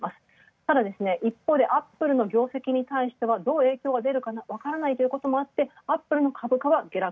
ただ一方でアップルの業績にたいしてどう影響するかわからないということもあってアップルの株価は下落。